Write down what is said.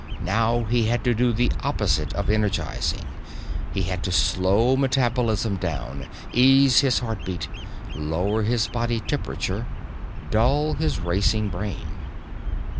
Now he had to do the opposite of energizing. He had to slow metabolism down, ease his heartbeat, lower his body temperature, dull his racing brain.